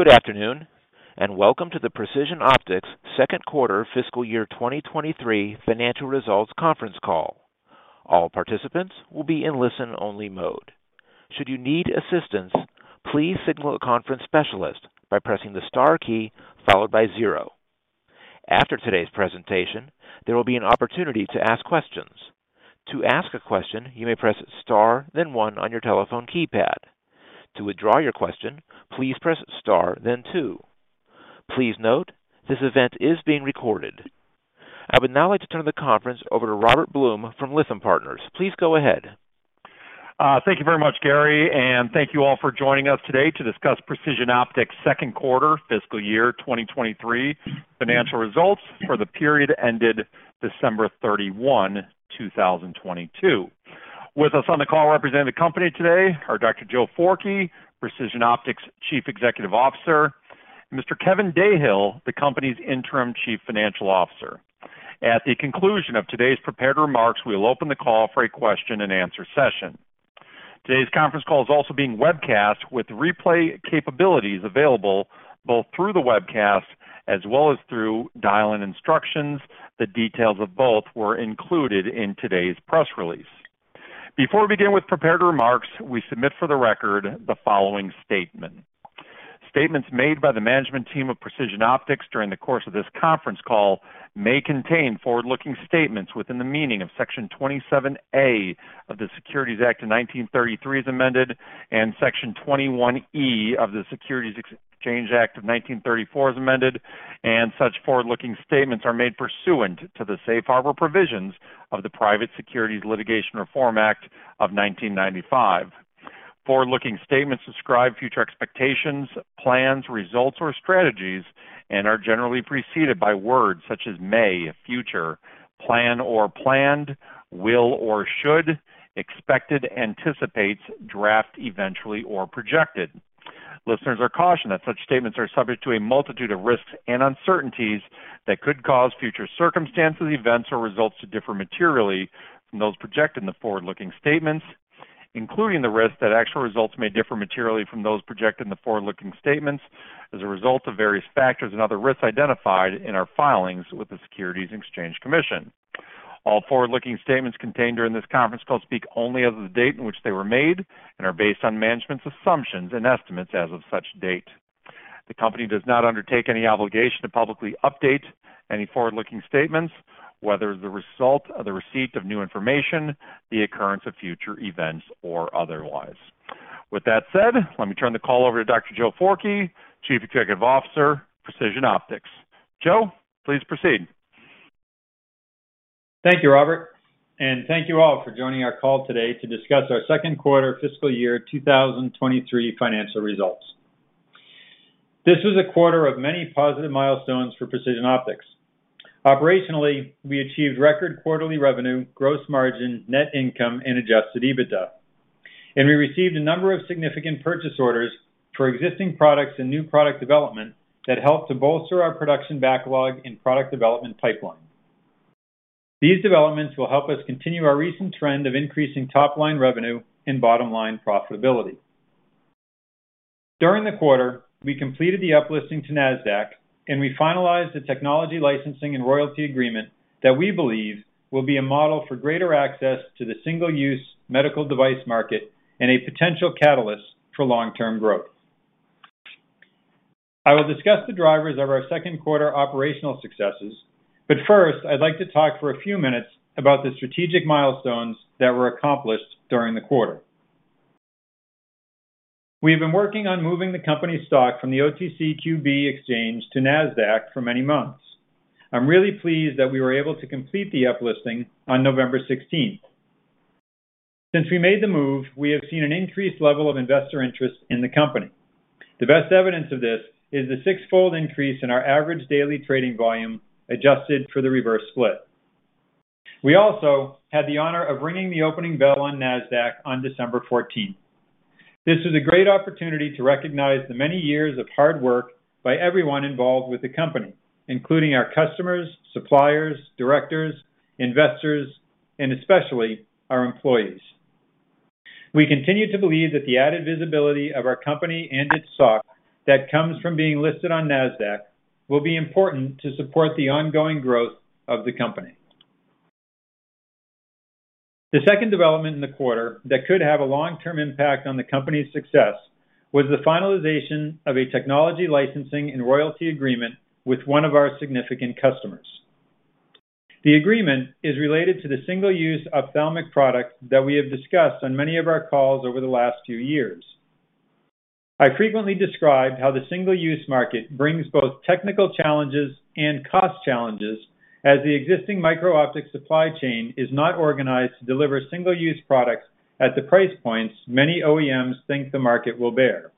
Good afternoon, welcome to the Precision Optics second quarter fiscal year 2023 financial results conference call. All participants will be in listen-only mode. Should you need assistance, please signal a conference specialist by pressing the star key followed by zero. After today's presentation, there will be an opportunity to ask questions. To ask a question, you may press star then one on your telephone keypad. To withdraw your question, please press star then two. Please note, this event is being recorded. I would now like to turn the conference over to Robert Blum from Lytham Partners. Please go ahead. Thank you very much, Gary, and thank you all for joining us today to discuss Precision Optics' second quarter fiscal year 2023 financial results for the period ended December 31, 2022. With us on the call representing the company today are Dr. Joe Forkey, Precision Optics' Chief Executive Officer, and Mr. Kevin Dahill, the company's Interim Chief Financial Officer. At the conclusion of today's prepared remarks, we will open the call for a question-and-answer session. Today's conference call is also being webcast with replay capabilities available both through the webcast as well as through dial-in instructions. The details of both were included in today's press release. Before we begin with prepared remarks, we submit for the record the following statement. Statements made by the management team of Precision Optics during the course of this conference call may contain forward-looking statements within the meaning of Section 27A of the Securities Act of 1933 as amended, and Section 21E of the Securities Exchange Act of 1934 as amended, and such forward-looking statements are made pursuant to the Safe Harbor provisions of the Private Securities Litigation Reform Act of 1995. Forward-looking statements describe future expectations, plans, results, or strategies, and are generally preceded by words such as may, future, plan or planned, will or should, expected, anticipates, draft, eventually, or projected. Listeners are cautioned that such statements are subject to a multitude of risks and uncertainties that could cause future circumstances, events, or results to differ materially from those projected in the forward-looking statements, including the risk that actual results may differ materially from those projected in the forward-looking statements as a result of various factors and other risks identified in our filings with the Securities and Exchange Commission. All forward-looking statements contained during this conference call speak only as of the date in which they were made and are based on management's assumptions and estimates as of such date. The company does not undertake any obligation to publicly update any forward-looking statements, whether as the result of the receipt of new information, the occurrence of future events, or otherwise. With that said, let me turn the call over to Dr. Joe Forkey, Chief Executive Officer, Precision Optics. Joe, please proceed. Thank you, Robert, and thank you all for joining our call today to discuss our second quarter fiscal year 2023 financial results. This was a quarter of many positive milestones for Precision Optics. Operationally, we achieved record quarterly revenue, gross margin, net income, and adjusted EBITDA. We received a number of significant purchase orders for existing products and new product development that helped to bolster our production backlog and product development pipeline. These developments will help us continue our recent trend of increasing top-line revenue and bottom-line profitability. During the quarter, we completed the uplisting to Nasdaq, and we finalized the technology licensing and royalty agreement that we believe will be a model for greater access to the single-use medical device market and a potential catalyst for long-term growth. I will discuss the drivers of our second quarter operational successes, first, I'd like to talk for a few minutes about the strategic milestones that were accomplished during the quarter. We have been working on moving the company's stock from the OTCQB Exchange to Nasdaq for many months. I'm really pleased that we were able to complete the uplisting on November 16th. Since we made the move, we have seen an increased level of investor interest in the company. The best evidence of this is the six-fold increase in our average daily trading volume adjusted for the reverse split. We also had the honor of ringing the opening bell on Nasdaq on December 14th. This was a great opportunity to recognize the many years of hard work by everyone involved with the company, including our customers, suppliers, directors, investors, and especially our employees. We continue to believe that the added visibility of our company and its stock that comes from being listed on Nasdaq will be important to support the ongoing growth of the company. The second development in the quarter that could have a long-term impact on the company's success was the finalization of a technology licensing and royalty agreement with one of our significant customers. The agreement is related to the single-use ophthalmic product that we have discussed on many of our calls over the last few years. I frequently described how the single-use market brings both technical challenges and cost challenges as the existing microoptic supply chain is not organized to deliver single-use products at the price points many OEMs think the market will bear.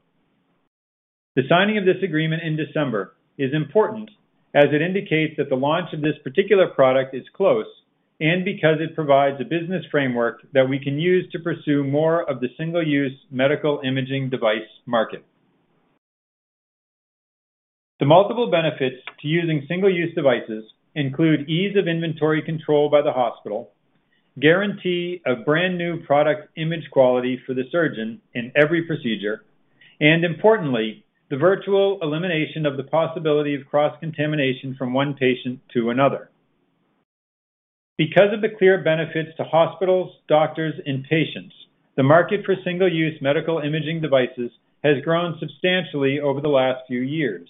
The signing of this agreement in December is important, as it indicates that the launch of this particular product is close and because it provides a business framework that we can use to pursue more of the single-use medical imaging device market. The multiple benefits to using single-use devices include ease of inventory control by the hospital, guarantee of brand new product image quality for the surgeon in every procedure, and importantly, the virtual elimination of the possibility of cross-contamination from one patient to another. Because of the clear benefits to hospitals, doctors, and patients, the market for single-use medical imaging devices has grown substantially over the last few years.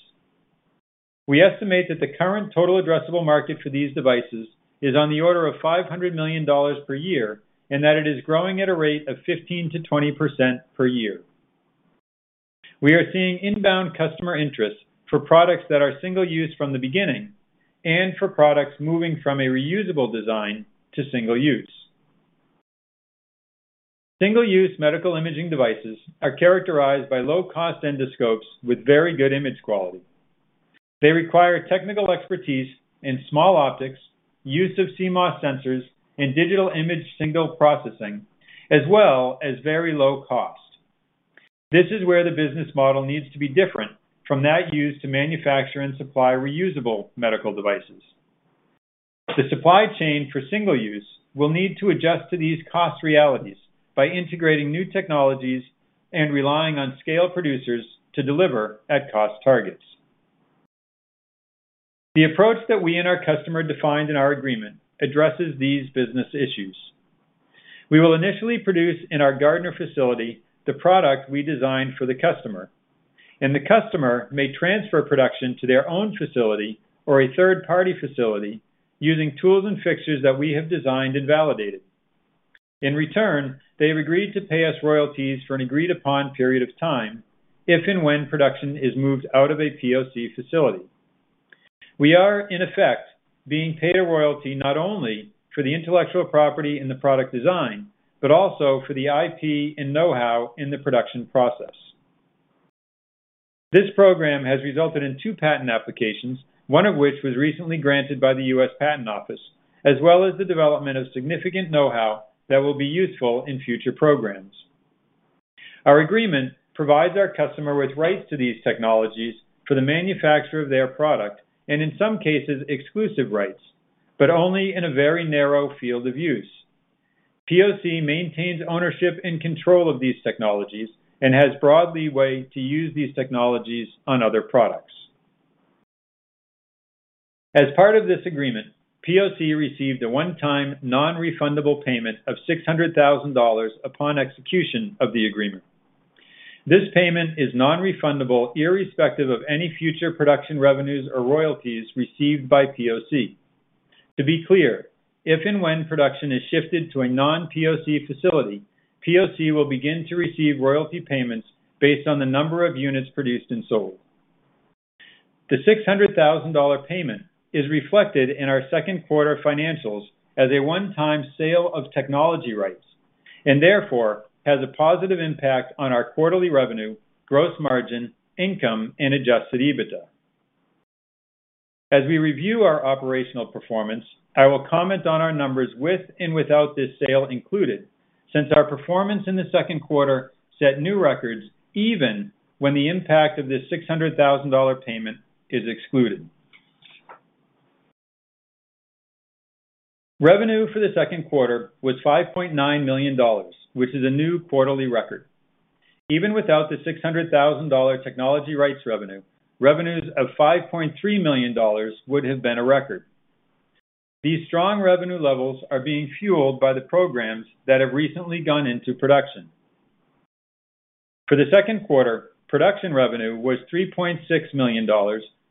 We estimate that the current total addressable market for these devices is on the order of $500 million per year, and that it is growing at a rate of 15%-20% per year. We are seeing inbound customer interest for products that are single-use from the beginning and for products moving from a reusable design to single-use. Single-use medical imaging devices are characterized by low cost endoscopes with very good image quality. They require technical expertise in small optics, use of CMOS sensors in digital image signal processing, as well as very low cost. This is where the business model needs to be different from that used to manufacture and supply reusable medical devices. The supply chain for single-use will need to adjust to these cost realities by integrating new technologies and relying on scale producers to deliver at cost targets. The approach that we and our customer defined in our agreement addresses these business issues. We will initially produce in our Gardner facility the product we designed for the customer, and the customer may transfer production to their own facility or a third-party facility using tools and fixtures that we have designed and validated. In return, they have agreed to pay us royalties for an agreed-upon period of time if and when production is moved out of a POC facility. We are, in effect, being paid a royalty not only for the intellectual property in the product design, but also for the IP and know-how in the production process. This program has resulted in two patent applications, one of which was recently granted by the U.S. Patent Office, as well as the development of significant know-how that will be useful in future programs. Our agreement provides our customer with rights to these technologies for the manufacture of their product, and in some cases, exclusive rights, but only in a very narrow field of use. POC maintains ownership and control of these technologies and has broad leeway to use these technologies on other products. As part of this agreement, POC received a one-time non-refundable payment of $600,000 upon execution of the agreement. This payment is non-refundable, irrespective of any future production revenues or royalties received by POC. To be clear, if and when production is shifted to a non-POC facility, POC will begin to receive royalty payments based on the number of units produced and sold. The $600,000 payment is reflected in our second quarter financials as a one-time sale of technology rights, and therefore has a positive impact on our quarterly revenue, gross margin, income, and adjusted EBITDA. As we review our operational performance, I will comment on our numbers with and without this sale included, since our performance in the second quarter set new records even when the impact of this $600,000 payment is excluded. Revenue for the second quarter was $5.9 million, which is a new quarterly record. Even without the $600,000 technology rights revenue, revenues of $5.3 million would have been a record. These strong revenue levels are being fueled by the programs that have recently gone into production. For the second quarter, production revenue was $3.6 million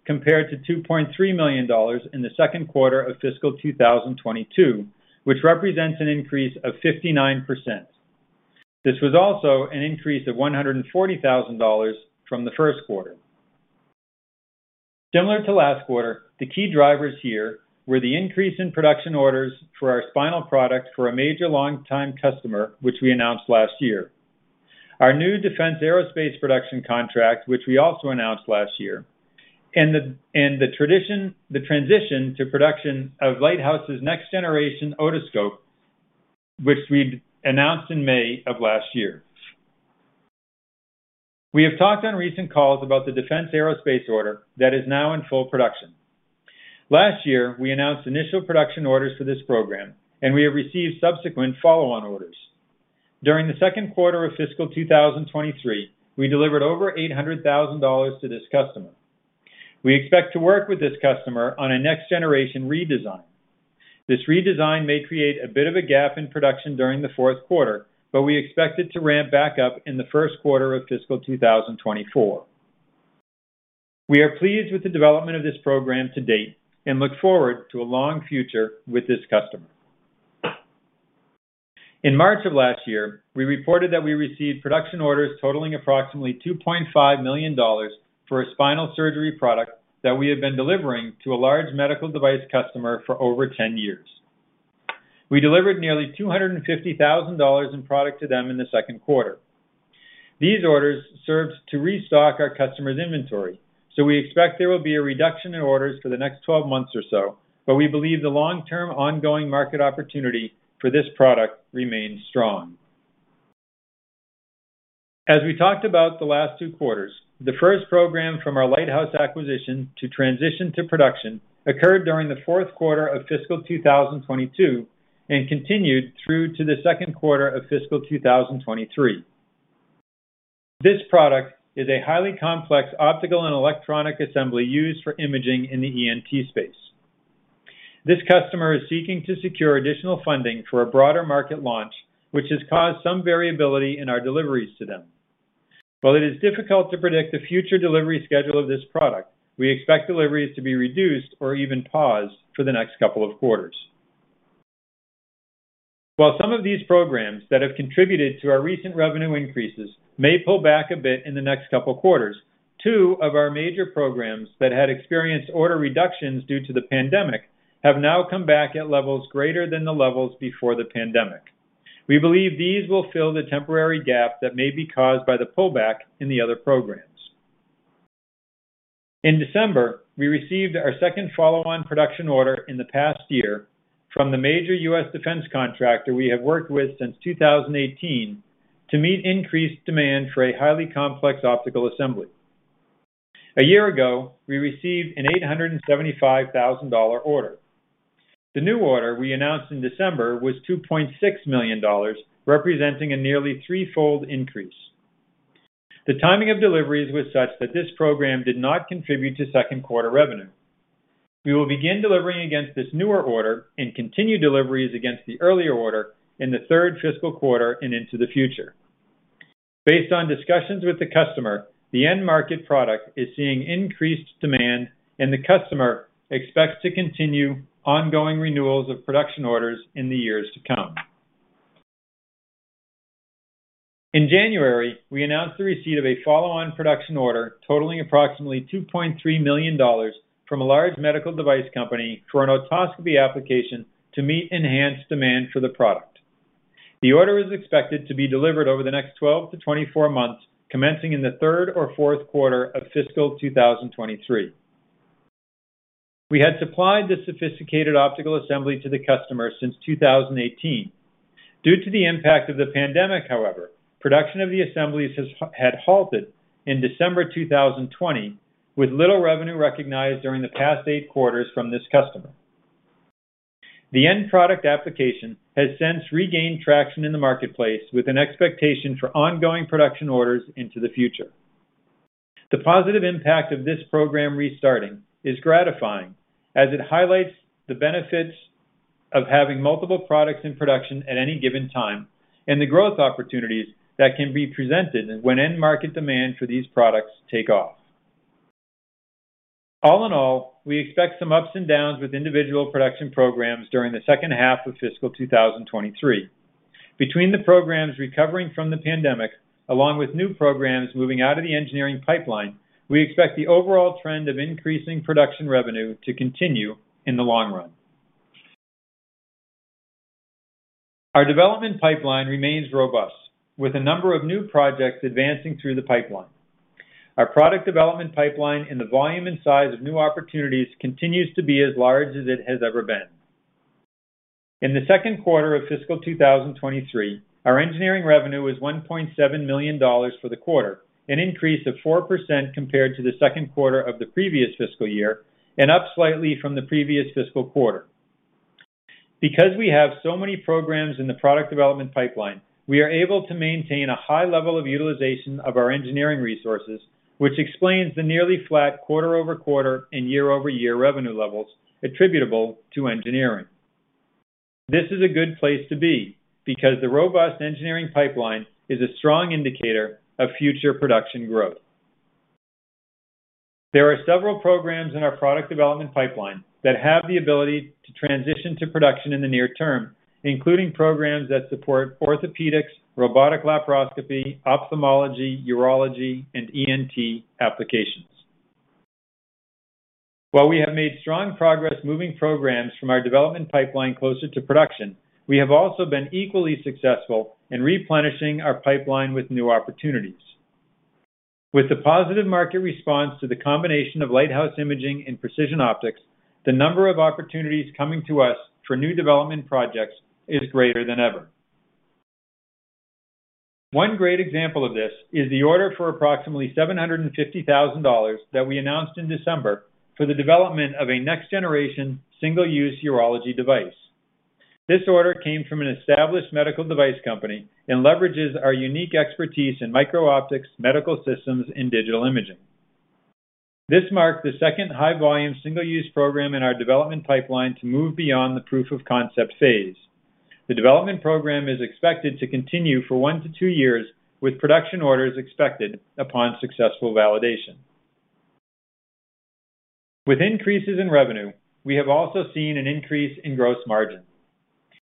compared to $2.3 million in the second quarter of fiscal 2022, which represents an increase of 59%. This was also an increase of $140,000 from the first quarter. Similar to last quarter, the key drivers here were the increase in production orders for our spinal product for a major longtime customer, which we announced last year. Our new defense aerospace production contract, which we also announced last year, and the transition to production of Lighthouse's next generation otoscope, which we'd announced in May of last year. We have talked on recent calls about the defense aerospace order that is now in full production. Last year, we announced initial production orders for this program, and we have received subsequent follow-on orders. During the second quarter of fiscal 2023, we delivered over $800,000 to this customer. We expect to work with this customer on a next generation redesign. This redesign may create a bit of a gap in production during the fourth quarter, but we expect it to ramp back up in the first quarter of fiscal 2024. We are pleased with the development of this program to date and look forward to a long future with this customer. In March of last year, we reported that we received production orders totaling approximately $2.5 million for a spinal surgery product that we have been delivering to a large medical device customer for over 10 years. We delivered nearly $250,000 in product to them in the second quarter. These orders served to restock our customer's inventory. We expect there will be a reduction in orders for the next 12 months or so, but we believe the long-term ongoing market opportunity for this product remains strong. As we talked about the last two quarters, the first program from our Lighthouse acquisition to transition to production occurred during the 4th quarter of fiscal 2022 and continued through to the 2nd quarter of fiscal 2023. This product is a highly complex optical and electronic assembly used for imaging in the ENT space. This customer is seeking to secure additional funding for a broader market launch, which has caused some variability in our deliveries to them. While it is difficult to predict the future delivery schedule of this product, we expect deliveries to be reduced or even paused for the next couple of quarters. While some of these programs that have contributed to our recent revenue increases may pull back a bit in the next couple quarters, two of our major programs that had experienced order reductions due to the pandemic have now come back at levels greater than the levels before the pandemic. We believe these will fill the temporary gap that may be caused by the pullback in the other programs. In December, we received our second follow-on production order in the past year from the major U.S. defense contractor we have worked with since 2018 to meet increased demand for a highly complex optical assembly. A year ago, we received an $875,000 order. The new order we announced in December was $2.6 million, representing a nearly threefold increase. The timing of deliveries was such that this program did not contribute to second quarter revenue. We will begin delivering against this newer order and continue deliveries against the earlier order in the third fiscal quarter and into the future. Based on discussions with the customer, the end market product is seeing increased demand and the customer expects to continue ongoing renewals of production orders in the years to come. In January, we announced the receipt of a follow-on production order totaling approximately $2.3 million from a large medical device company for an otoscopy application to meet enhanced demand for the product. The order is expected to be delivered over the next 12-24 months, commencing in the third or fourth quarter of fiscal 2023. We had supplied the sophisticated optical assembly to the customer since 2018. Due to the impact of the pandemic, however, production of the assemblies had halted in December 2020, with little revenue recognized during the past eight quarters from this customer. The end product application has since regained traction in the marketplace with an expectation for ongoing production orders into the future. The positive impact of this program restarting is gratifying as it highlights the benefits of having multiple products in production at any given time and the growth opportunities that can be presented when end market demand for these products take off. All in all, we expect some ups and downs with individual production programs during the second half of fiscal 2023. Between the programs recovering from the pandemic along with new programs moving out of the engineering pipeline, we expect the overall trend of increasing production revenue to continue in the long run. Our development pipeline remains robust with a number of new projects advancing through the pipeline. Our product development pipeline and the volume and size of new opportunities continues to be as large as it has ever been. In the second quarter of fiscal 2023, our engineering revenue was $1.7 million for the quarter, an increase of 4% compared to the second quarter of the previous fiscal year, and up slightly from the previous fiscal quarter. Because we have so many programs in the product development pipeline, we are able to maintain a high level of utilization of our engineering resources, which explains the nearly flat quarter-over-quarter and year-over-year revenue levels attributable to engineering. This is a good place to be because the robust engineering pipeline is a strong indicator of future production growth. There are several programs in our product development pipeline that have the ability to transition to production in the near term, including programs that support orthopedics, robotic laparoscopy, ophthalmology, urology, and ENT applications. While we have made strong progress moving programs from our development pipeline closer to production, we have also been equally successful in replenishing our pipeline with new opportunities. With the positive market response to the combination of Lighthouse Imaging and Precision Optics, the number of opportunities coming to us for new development projects is greater than ever. One great example of this is the order for approximately $750,000 that we announced in December for the development of a next generation single-use urology device. This order came from an established medical device company and leverages our unique expertise in micro optics, medical systems, and digital imaging. This marked the second high-volume single-use program in our development pipeline to move beyond the proof of concept phase. The development program is expected to continue for one to two years with production orders expected upon successful validation. With increases in revenue, we have also seen an increase in gross margin.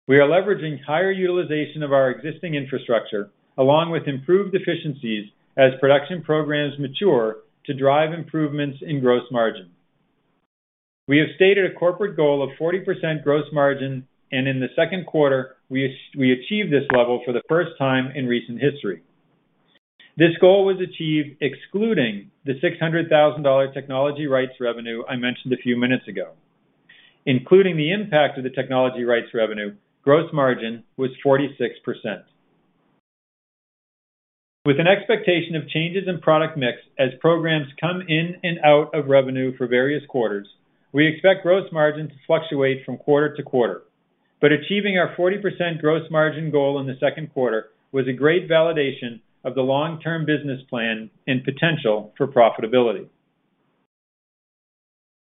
We are leveraging higher utilization of our existing infrastructure along with improved efficiencies as production programs mature to drive improvements in gross margin. We have stated a corporate goal of 40% gross margin. In the second quarter, we achieved this level for the first time in recent history. This goal was achieved excluding the $600,000 technology rights revenue I mentioned a few minutes ago. Including the impact of the technology rights revenue, gross margin was 46%. With an expectation of changes in product mix as programs come in and out of revenue for various quarters, we expect gross margin to fluctuate from quarter to quarter. Achieving our 40% gross margin goal in the second quarter was a great validation of the long-term business plan and potential for profitability.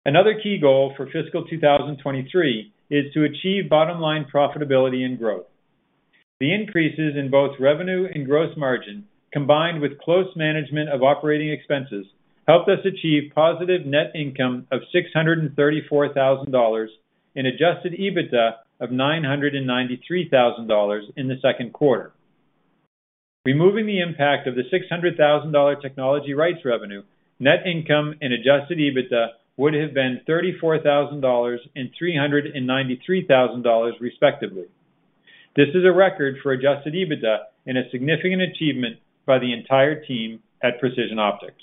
Another key goal for fiscal 2023 is to achieve bottom-line profitability and growth. The increases in both revenue and gross margin, combined with close management of operating expenses, helped us achieve positive net income of $634,000 and adjusted EBITDA of $993,000 in the second quarter. Removing the impact of the $600,000 technology rights revenue, net income and adjusted EBITDA would have been $34,000 and $393,000 respectively. This is a record for adjusted EBITDA and a significant achievement by the entire team at Precision Optics.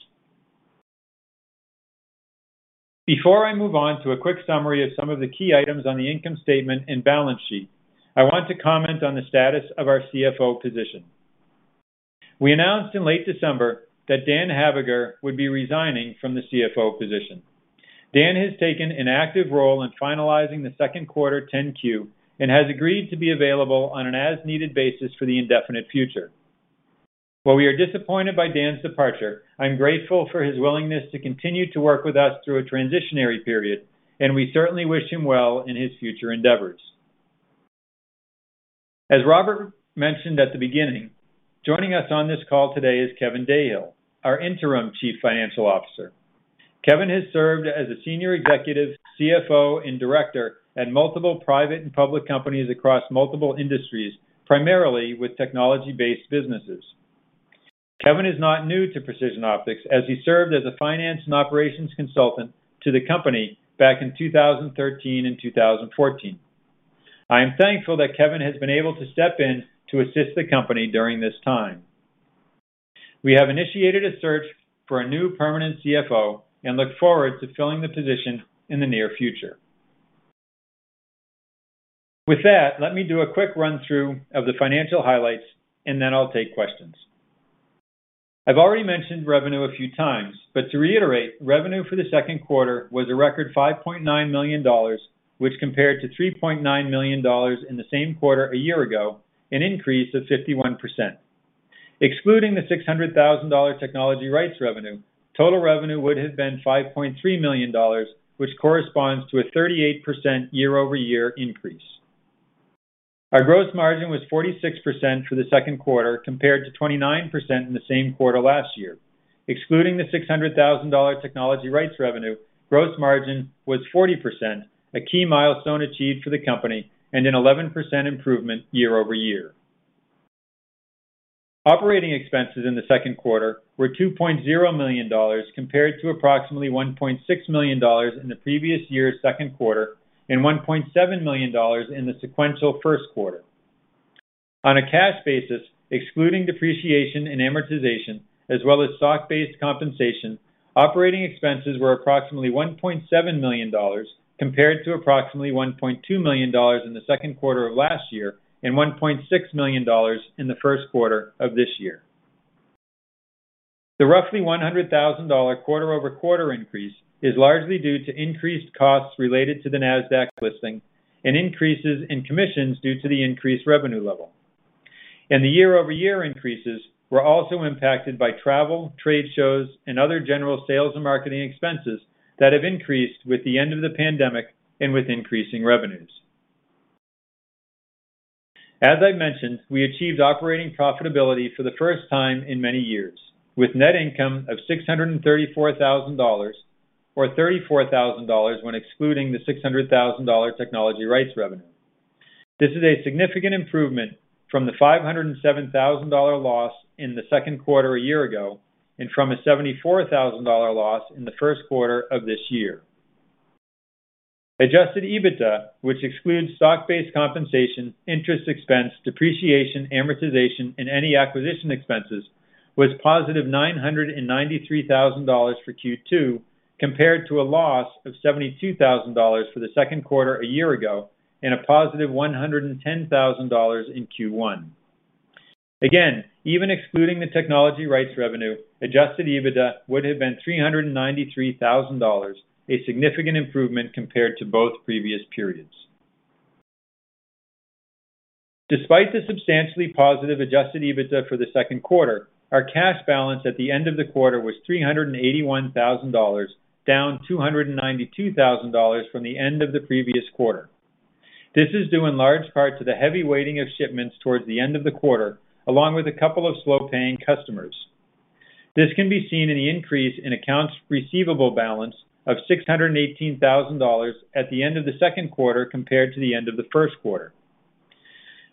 Before I move on to a quick summary of some of the key items on the income statement and balance sheet, I want to comment on the status of our CFO position. We announced in late December that Dan Habhegger would be resigning from the CFO position. Dan has taken an active role in finalizing the second quarter 10-Q and has agreed to be available on an as-needed basis for the indefinite future. While we are disappointed by Dan's departure, I'm grateful for his willingness to continue to work with us through a transitionary period, and we certainly wish him well in his future endeavors. As Robert Blum mentioned at the beginning, joining us on this call today is Kevin Dahill, our interim Chief Financial Officer. Kevin has served as a senior executive, CFO, and director at multiple private and public companies across multiple industries, primarily with technology-based businesses. Kevin is not new to Precision Optics, as he served as a finance and operations consultant to the company back in 2013 and 2014. I am thankful that Kevin has been able to step in to assist the company during this time. We have initiated a search for a new permanent CFO and look forward to filling the position in the near future. With that, let me do a quick run-through of the financial highlights, and then I'll take questions. I've already mentioned revenue a few times, but to reiterate, revenue for the second quarter was a record $5.9 million, which compared to $3.9 million in the same quarter a year ago, an increase of 51%. Excluding the $600,000 technology rights revenue, total revenue would have been $5.3 million, which corresponds to a 38% year-over-year increase. Our gross margin was 46% for the second quarter, compared to 29% in the same quarter last year. Excluding the $600,000 technology rights revenue, gross margin was 40%, a key milestone achieved for the company and an 11% improvement year-over-year. Operating expenses in the second quarter were $2.0 million, compared to approximately $1.6 million in the previous year's second quarter and $1.7 million in the sequential first quarter. On a cash basis, excluding depreciation and amortization, as well as stock-based compensation, operating expenses were approximately $1.7 million, compared to approximately $1.2 million in the second quarter of last year and $1.6 million in the first quarter of this year. The roughly $100,000 quarter-over-quarter increase is largely due to increased costs related to the Nasdaq listing and increases in commissions due to the increased revenue level. The year-over-year increases were also impacted by travel, trade shows, and other general sales and marketing expenses that have increased with the end of the pandemic and with increasing revenues. As I mentioned, we achieved operating profitability for the first time in many years, with net income of $634,000 or $34,000 when excluding the $600,000 technology rights revenue. This is a significant improvement from the $507,000 loss in the second quarter a year ago and from a $74,000 loss in the first quarter of this year. Adjusted EBITDA, which excludes stock-based compensation, interest expense, depreciation, amortization, and any acquisition expenses, was positive $993,000 for Q2, compared to a loss of $72,000 for the second quarter a year ago and a positive $110,000 in Q1. Again, even excluding the technology rights revenue, adjusted EBITDA would have been $393,000, a significant improvement compared to both previous periods. Despite the substantially positive adjusted EBITDA for the second quarter, our cash balance at the end of the quarter was $381,000, down $292,000 from the end of the previous quarter. This is due in large part to the heavy weighting of shipments towards the end of the quarter, along with a couple of slow-paying customers. This can be seen in the increase in accounts receivable balance of $618,000 at the end of the second quarter compared to the end of the first quarter.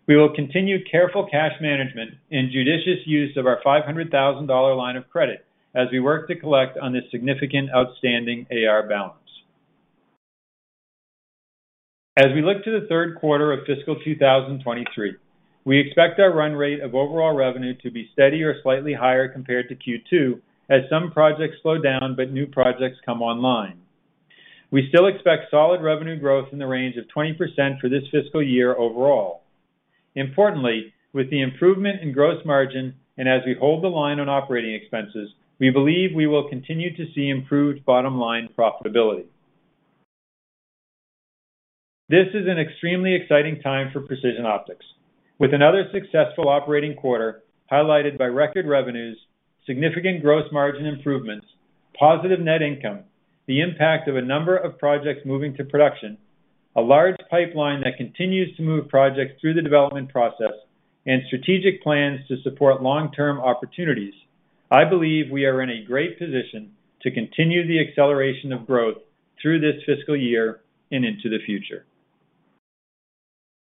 We will continue careful cash management and judicious use of our $500,000 line of credit as we work to collect on this significant outstanding AR balance. As we look to the third quarter of fiscal 2023, we expect our run rate of overall revenue to be steady or slightly higher compared to Q2 as some projects slow down but new projects come online. We still expect solid revenue growth in the range of 20% for this fiscal year overall. Importantly, with the improvement in gross margin and as we hold the line on operating expenses, we believe we will continue to see improved bottom-line profitability. This is an extremely exciting time for Precision Optics. With another successful operating quarter highlighted by record revenues, significant gross margin improvements, positive net income, the impact of a number of projects moving to production, a large pipeline that continues to move projects through the development process, and strategic plans to support long-term opportunities, I believe we are in a great position to continue the acceleration of growth through this fiscal year and into the future.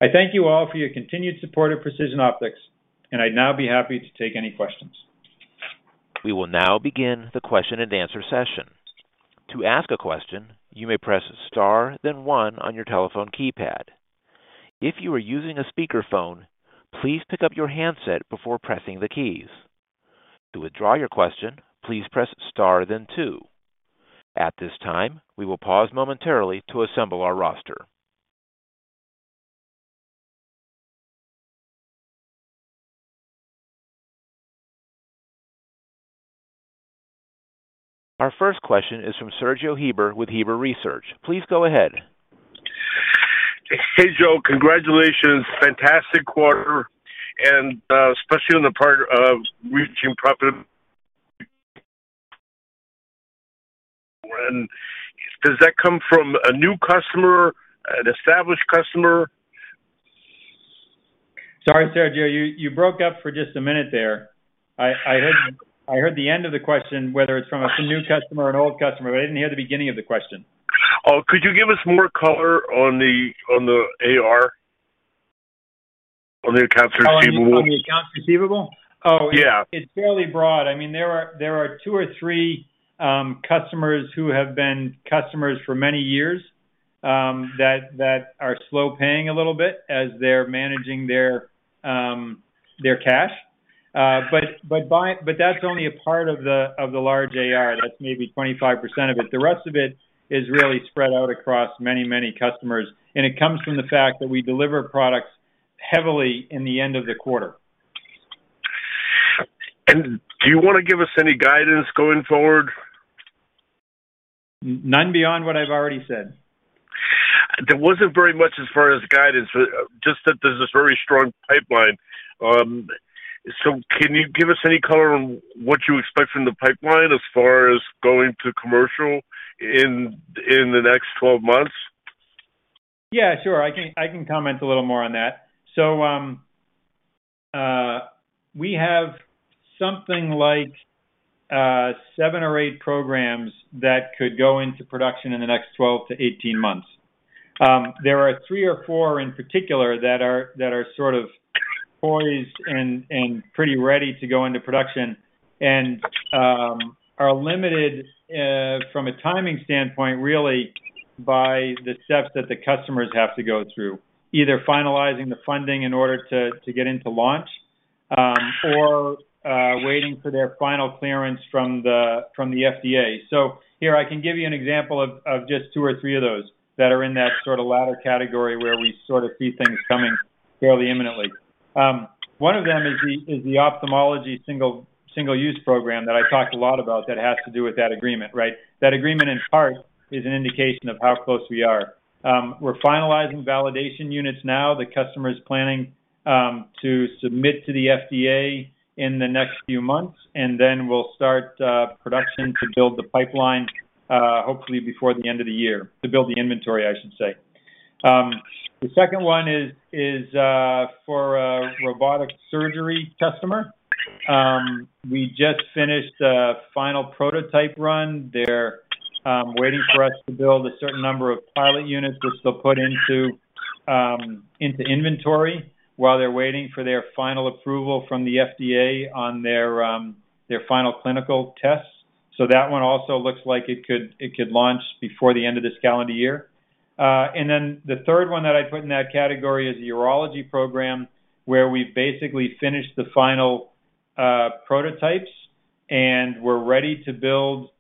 I thank you all for your continued support of Precision Optics, and I'd now be happy to take any questions. We will now begin the question-and-answer session. To ask a question, you may press star then one on your telephone keypad. If you are using a speakerphone, please pick up your handset before pressing the keys. To withdraw your question, please press star then two. At this time, we will pause momentarily to assemble our roster. Our first question is from Sergio Heber with Heber Research. Please go ahead. Hey, Joe. Congratulations. Fantastic quarter, especially on the part of reaching profitability. Does that come from a new customer, an established customer? Sorry, Sergio, you broke up for just a minute there. I heard the end of the question, whether it's from a new customer or an old customer, but I didn't hear the beginning of the question. Oh, could you give us more color on the AR? On the accounts receivable? On the accounts receivable? Oh, yeah. It's fairly broad. I mean, there are two or three customers who have been customers for many years, that are slow paying a little bit as they're managing their cash. But that's only a part of the large AR. That's maybe 25% of it. The rest of it is really spread out across many customers. It comes from the fact that we deliver products heavily in the end of the quarter. Do you wanna give us any guidance going forward? None beyond what I've already said. There wasn't very much as far as guidance, but just that there's this very strong pipeline. Can you give us any color on what you expect from the pipeline as far as going to commercial in the next 12 months? Yeah, sure. I can comment a little more on that. We have something like seven or eight programs that could go into production in the next 12-18 months. There are three or four in particular that are sort of poised and pretty ready to go into production and are limited from a timing standpoint, really by the steps that the customers have to go through, either finalizing the funding in order to get into launch or waiting for their final clearance from the FDA. Here I can give you an example of just two or three of those that are in that sort of latter category where we sort of see things coming fairly imminently. One of them is the ophthalmology single-use program that I talked a lot about that has to do with that agreement, right? That agreement, in part, is an indication of how close we are. We're finalizing validation units now. The customer is planning to submit to the FDA in the next few months, and then we'll start production to build the pipeline, hopefully before the end of the year. To build the inventory, I should say. The second one is for a robotic surgery customer. We just finished a final prototype run. They're waiting for us to build a certain number of pilot units, which they'll put into inventory while they're waiting for their final approval from the FDA on their final clinical tests. That one also looks like it could launch before the end of this calendar year. The third one that I'd put in that category is the urology program, where we basically finished the final prototypes, and we're ready to build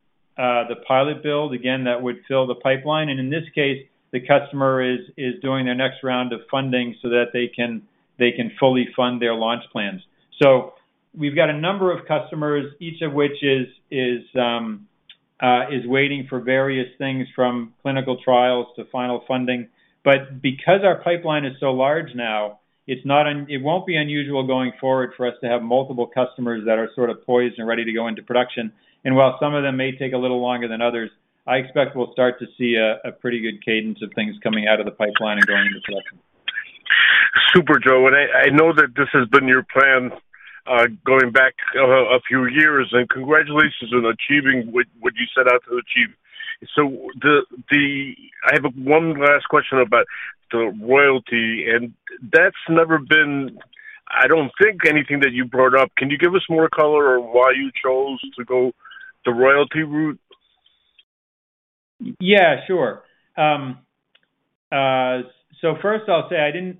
the pilot build. Again, that would fill the pipeline. In this case, the customer is doing their next round of funding so that they can fully fund their launch plans. We've got a number of customers, each of which is waiting for various things from clinical trials to final funding. Because our pipeline is so large now, it won't be unusual going forward for us to have multiple customers that are sort of poised and ready to go into production. While some of them may take a little longer than others, I expect we'll start to see a pretty good cadence of things coming out of the pipeline and going into production. Super, Joe. I know that this has been your plan, going back a few years, and congratulations on achieving what you set out to achieve. I have one last question about the royalty, and that's never been, I don't think anything that you brought up. Can you give us more color on why you chose to go the royalty route? Yeah, sure. First I'll say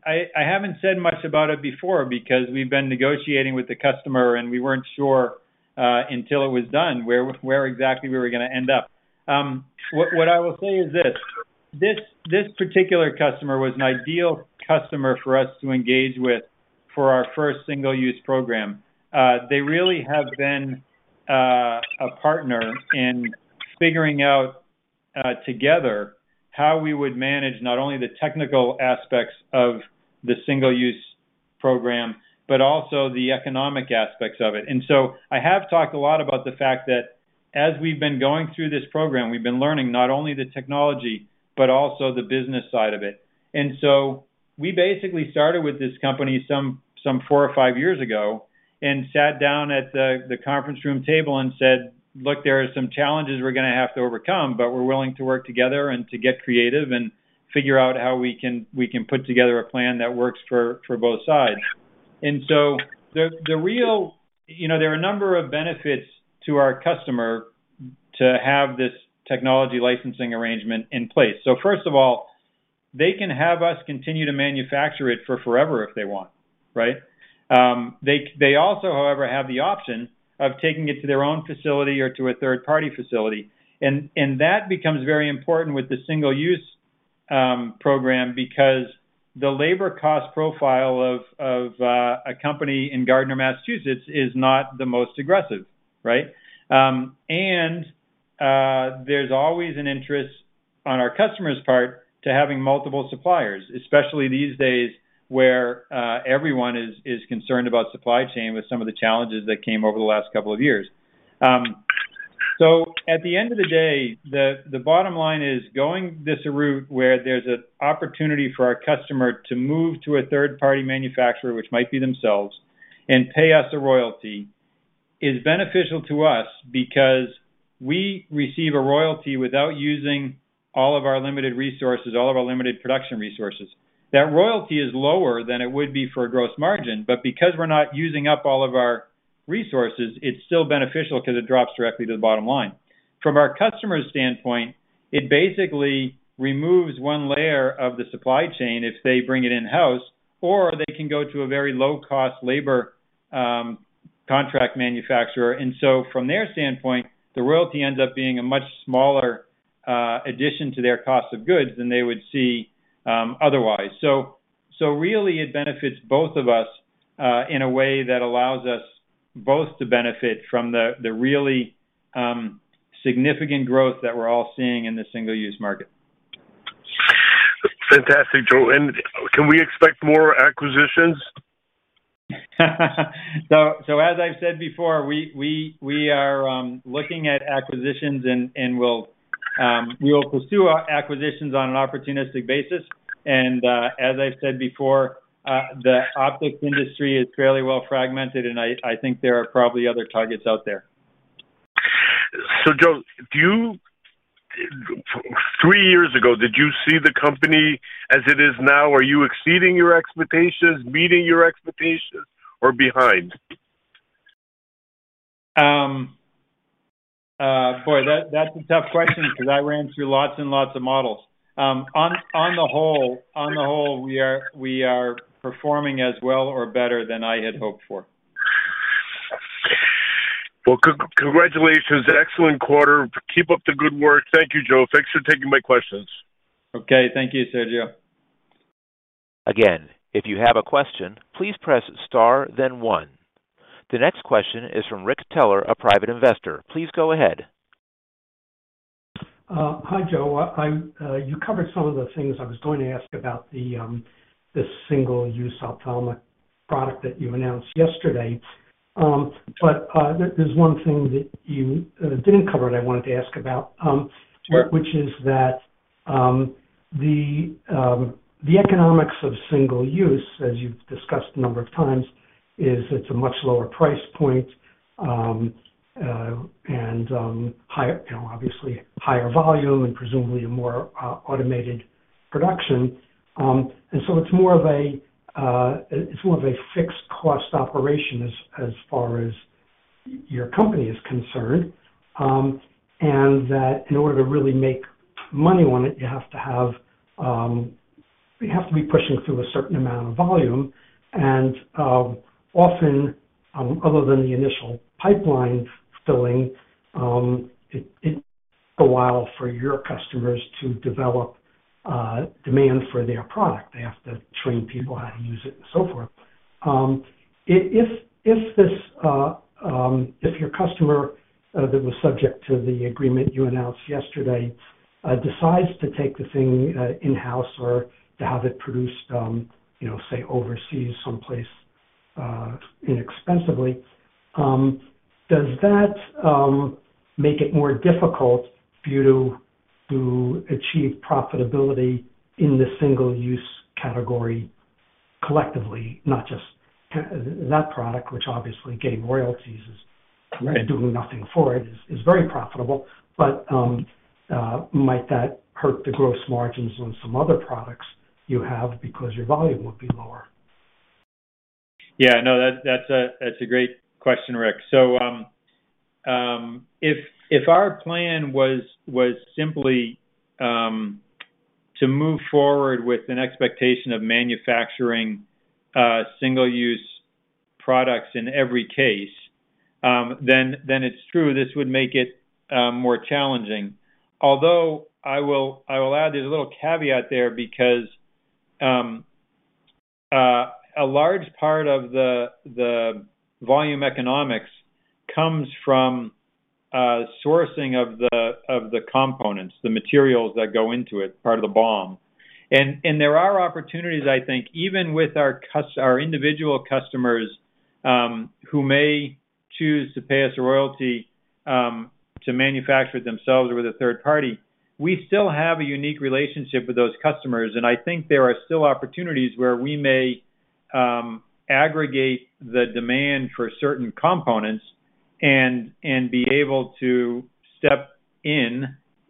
I haven't said much about it before because we've been negotiating with the customer, and we weren't sure until it was done, where exactly we were gonna end up. What I will say is this: this particular customer was an ideal customer for us to engage with for our first single-use program. They really have been a partner in figuring out together how we would manage not only the technical aspects of the single-use program but also the economic aspects of it. I have talked a lot about the fact that as we've been going through this program, we've been learning not only the technology but also the business side of it. We basically started with this company some four or five years ago and sat down at the conference room table and said, "Look, there are some challenges we're gonna have to overcome, but we're willing to work together and to get creative and figure out how we can put together a plan that works for both sides." You know, there are a number of benefits to our customer to have this technology licensing arrangement in place. First of all, they can have us continue to manufacture it for forever if they want, right? They also, however, have the option of taking it to their own facility or to a third-party facility. That becomes very important with the single-use program because the labor cost profile of a company in Gardner, Massachusetts, is not the most aggressive, right? There's always an interest on our customer's part to having multiple suppliers, especially these days where everyone is concerned about supply chain with some of the challenges that came over the last couple of years. At the end of the day, the bottom line is going this route where there's an opportunity for our customer to move to a third-party manufacturer, which might be themselves, and pay us a royalty, is beneficial to us because we receive a royalty without using all of our limited resources, all of our limited production resources. That royalty is lower than it would be for a gross margin, but because we're not using up all of our resources, it's still beneficial 'cause it drops directly to the bottom line. From our customer's standpoint, it basically removes one layer of the supply chain if they bring it in-house, or they can go to a very low-cost labor, contract manufacturer. From their standpoint, the royalty ends up being a much smaller, addition to their cost of goods than they would see, otherwise. Really it benefits both of us, in a way that allows us both to benefit from the really, significant growth that we're all seeing in the single-use market. Fantastic, Joe. Can we expect more acquisitions? As I've said before, we are looking at acquisitions and we will pursue our acquisitions on an opportunistic basis. As I've said before, the optics industry is fairly well fragmented, and I think there are probably other targets out there. Joe, Three years ago, did you see the company as it is now? Are you exceeding your expectations, meeting your expectations or behind? Boy, that's a tough question 'cause I ran through lots and lots of models. On the whole, we are performing as well or better than I had hoped for. Well, congratulations. Excellent quarter. Keep up the good work. Thank you, Joe. Thanks for taking my questions. Okay. Thank you, Sergio. Again, if you have a question, please press star then one. The next question is from Rick Teller, a private investor. Please go ahead. Hi, Joe. You covered some of the things I was going to ask about the single-use ophthalmic product that you announced yesterday. There's one thing that you didn't cover that I wanted to ask about. Sure. The economics of single use, as you've discussed a number of times, is it's a much lower price point, and higher, you know, obviously higher volume and presumably a more automated production. It's more of a fixed cost operation as far as your company is concerned, and that in order to really make money on it, you have to be pushing through a certain amount of volume. Often, other than the initial pipeline filling, it takes a while for your customers to develop demand for their product. They have to train people how to use it and so forth. If this, if your customer that was subject to the agreement you announced yesterday, decides to take the thing in-house or to have it produced, you know, say overseas someplace, inexpensively, does that make it more difficult for you to achieve profitability in the single-use category collectively, not just that product, which obviously getting royalties is? I'm doing nothing for it. It's very profitable. Might that hurt the gross margins on some other products you have because your volume would be lower? Yeah, no, that's a great question, Rick. If our plan was simply to move forward with an expectation of manufacturing single-use products in every case, then it's true, this would make it more challenging. Although, I will add there's a little caveat there because a large part of the volume economics comes from sourcing of the components, the materials that go into it, part of the BOM. There are opportunities, I think, even with our individual customers, who may choose to pay us a royalty, to manufacture it themselves or with a third party. We still have a unique relationship with those customers, and I think there are still opportunities where we may aggregate the demand for certain components and be able to step in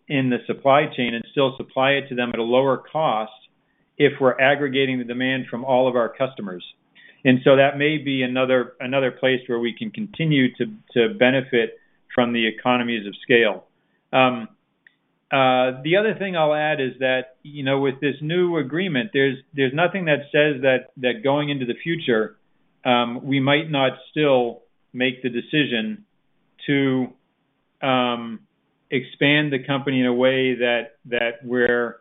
the supply chain and still supply it to them at a lower cost if we're aggregating the demand from all of our customers. That may be another place where we can continue to benefit from the economies of scale. The other thing I'll add is that, you know, with this new agreement, there's nothing that says that going into the future, we might not still make the decision to expand the company in a way that we're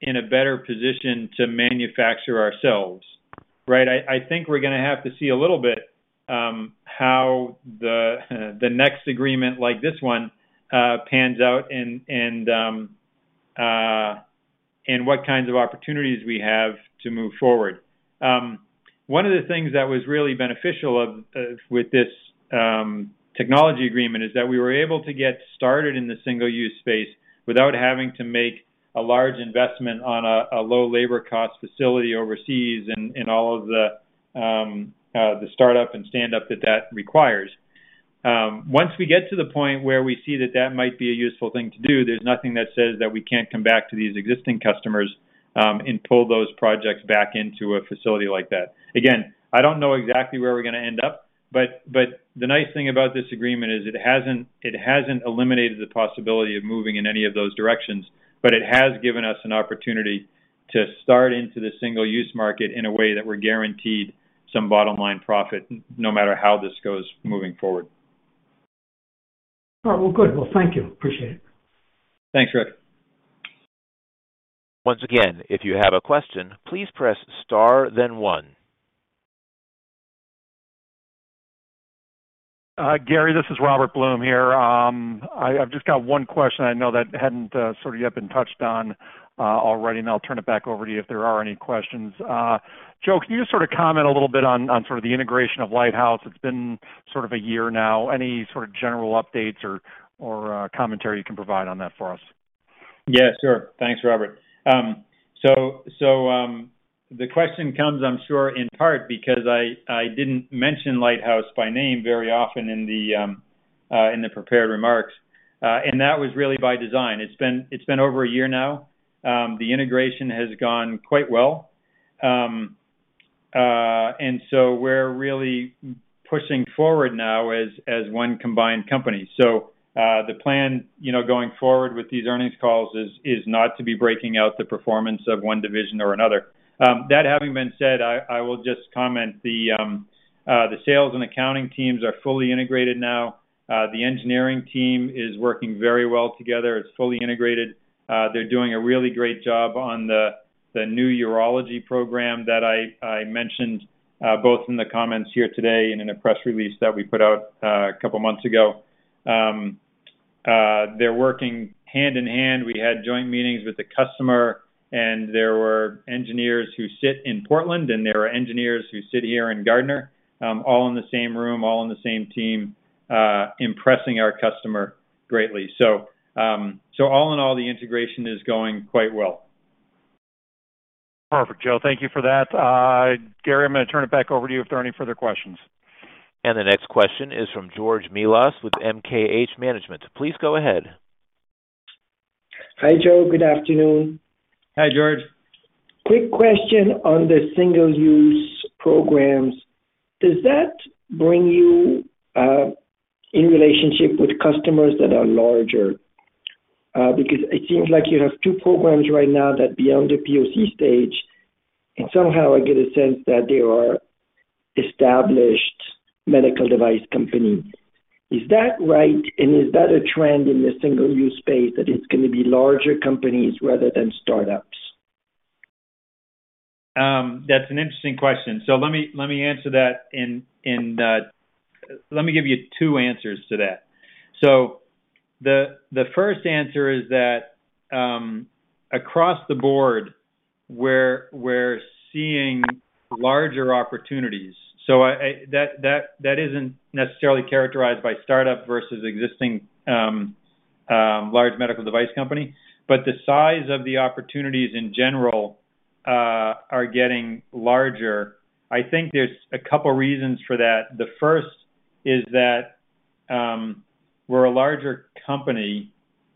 in a better position to manufacture ourselves, right? I think we're gonna have to see a little bit how the next agreement like this one pans out and what kinds of opportunities we have to move forward. One of the things that was really beneficial with this technology agreement is that we were able to get started in the single-use space without having to make a large investment on a low labor cost facility overseas and all of the startup and stand-up that that requires. Once we get to the point where we see that that might be a useful thing to do, there's nothing that says that we can't come back to these existing customers and pull those projects back into a facility like that. Again, I don't know exactly where we're gonna end up, but the nice thing about this agreement is it hasn't eliminated the possibility of moving in any of those directions, but it has given us an opportunity to start into the single-use market in a way that we're guaranteed some bottom line profit no matter how this goes moving forward. All right. Well, good. Well, thank you. Appreciate it. Thanks, Rick. Once again, if you have a question, please press star then one. Gary, this is Robert Blum here. I've just got one question I know that hadn't sort of yet been touched on already. I'll turn it back over to you if there are any questions. Joe, can you just sort of comment a little bit on sort of the integration of Lighthouse? It's been sort of a year now. Any sort of general updates or commentary you can provide on that for us? Yeah, sure. Thanks, Robert. So, the question comes, I'm sure, in part because I didn't mention Lighthouse by name very often in the prepared remarks. That was really by design. It's been over a year now. The integration has gone quite well. We're really pushing forward now as one combined company. The plan, you know, going forward with these earnings calls is not to be breaking out the performance of one division or another. That having been said, I will just comment the sales and accounting teams are fully integrated now. The engineering team is working very well together. It's fully integrated. They're doing a really great job on the new urology program that I mentioned, both in the comments here today and in a press release that we put out a couple months ago. They're working hand in hand. We had joint meetings with the customer, there were engineers who sit in Portland, and there are engineers who sit here in Gardner, all in the same room, all in the same team, impressing our customer greatly. All in all, the integration is going quite well. Perfect, Joe. Thank you for that. Gary, I'm gonna turn it back over to you if there are any further questions. The next question is from George Melas with MKH Management. Please go ahead. Hi, Joe. Good afternoon. Hi, George. Quick question on the single-use programs. Does that bring you in relationship with customers that are larger? Because it seems like you have two programs right now that beyond the POC stage, and somehow I get a sense that they are established medical device company. Is that right? Is that a trend in the single-use space that it's gonna be larger companies rather than startups? That's an interesting question. Let me answer that. Let me give you two answers to that. The first answer is that across the board, we're seeing larger opportunities. That isn't necessarily characterized by startup versus existing large medical device company. The size of the opportunities in general are getting larger. I think there's a couple reasons for that. The first is that we're a larger company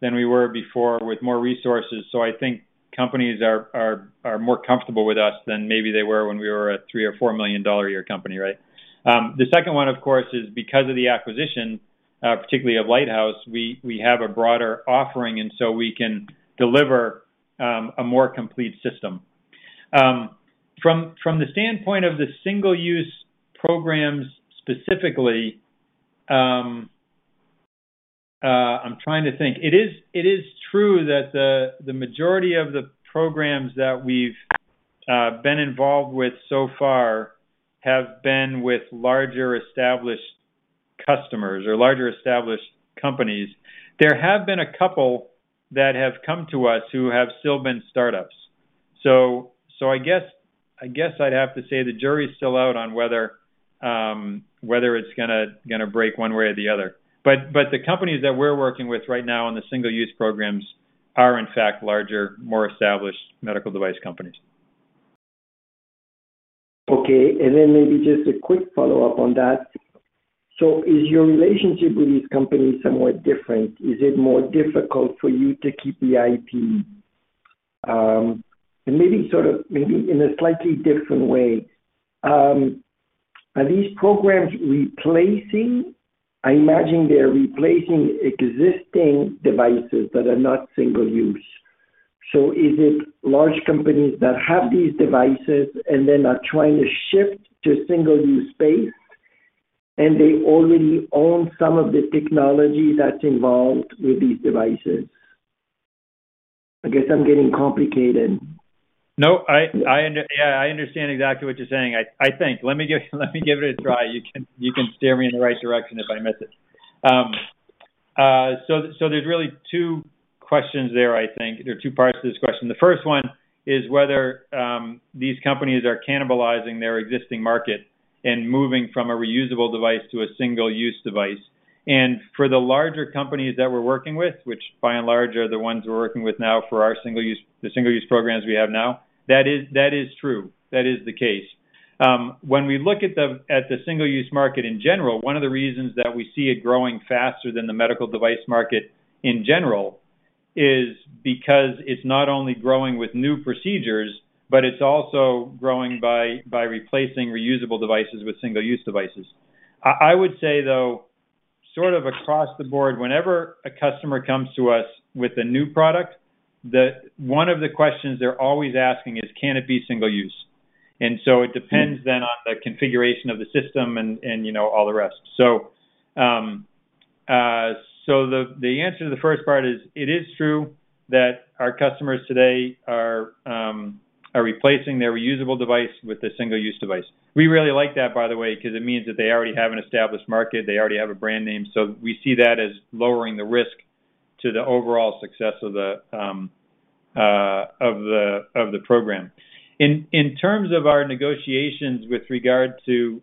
than we were before with more resources. I think companies are more comfortable with us than maybe they were when we were a $3 million or $4 million a year company, right? The second one, of course, is because of the acquisition, particularly of Lighthouse, we have a broader offering, and so we can deliver a more complete system. From the standpoint of the single-use programs specifically, I'm trying to think. It is true that the majority of the programs that we've been involved with so far have been with larger established customers or larger established companies. There have been a couple that have come to us who have still been start-ups. I guess I'd have to say the jury's still out on whether whether it's gonna break one way or the other. The companies that we're working with right now on the single-use programs are in fact larger, more established medical device companies. Okay. Maybe just a quick follow-up on that. Is your relationship with these companies somewhat different? Is it more difficult for you to keep the IP? And maybe in a slightly different way, are these programs replacing... I imagine they're replacing existing devices that are not single-use. Is it large companies that have these devices and then are trying to shift to single-use space, and they already own some of the technology that's involved with these devices? I guess I'm getting complicated. No, I understand exactly what you're saying, I think. Let me give it a try. You can steer me in the right direction if I miss it. There's really two questions there, I think. There are two parts to this question. The first one is whether these companies are cannibalizing their existing market and moving from a reusable device to a single-use device. For the larger companies that we're working with, which by and large are the ones we're working with now for our single-use programs we have now, that is true. That is the case. When we look at the single-use market in general, one of the reasons that we see it growing faster than the medical device market in general is because it's not only growing with new procedures, but it's also growing by replacing reusable devices with single-use devices. I would say, though, sort of across the board, whenever a customer comes to us with a new product, one of the questions they're always asking is, "Can it be single use?" It depends then on the configuration of the system and, you know, all the rest. The answer to the first part is it is true that our customers today are replacing their reusable device with a single-use device. We really like that, by the way, 'cause it means that they already have an established market, they already have a brand name, so we see that as lowering the risk to the overall success of the program. In terms of our negotiations with regard to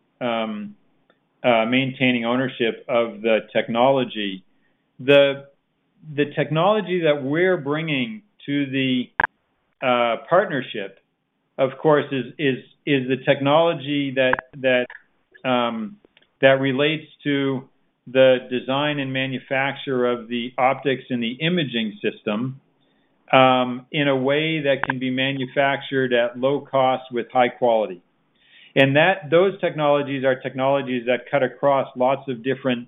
maintaining ownership of the technology, the technology that we're bringing to the partnership, of course, is the technology that relates to the design and manufacture of the optics and the imaging system in a way that can be manufactured at low cost with high quality. Those technologies are technologies that cut across lots of different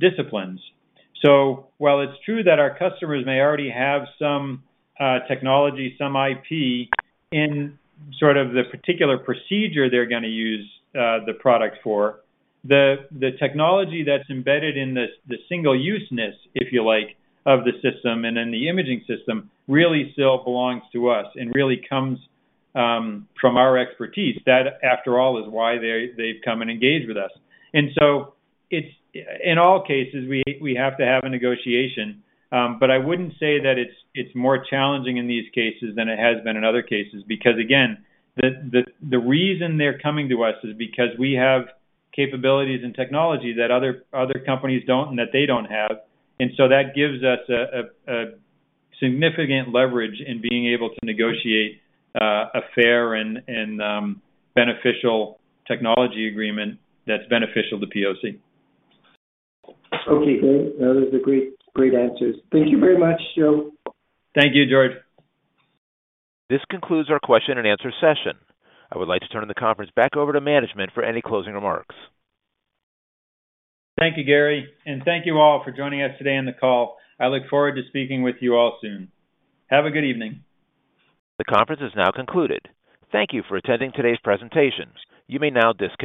disciplines. While it's true that our customers may already have some technology, some IP in sort of the particular procedure they're gonna use, the product for, the technology that's embedded in the single-useness, if you like, of the system and in the imaging system really still belongs to us and really comes from our expertise. That, after all, is why they've come and engaged with us. In all cases, we have to have a negotiation. I wouldn't say that it's more challenging in these cases than it has been in other cases. Again, the reason they're coming to us is because we have capabilities and technology that other companies don't and that they don't have. That gives us a significant leverage in being able to negotiate a fair and beneficial technology agreement that's beneficial to POC. Okay, great. Those are great answers. Thank you very much, Joe. Thank you, George. This concludes our question and answer session. I would like to turn the conference back over to management for any closing remarks. Thank you, Gary. Thank you all for joining us today on the call. I look forward to speaking with you all soon. Have a good evening. The conference is now concluded. Thank you for attending today's presentations. You may now disconnect.